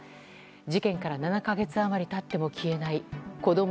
事件から７か月余り経っても消えないこども